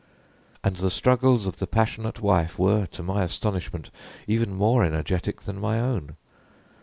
And the struggles of the passionate wife were, to my astonishment, even more energetic than my own.